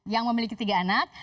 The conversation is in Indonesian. yang memiliki tiga anak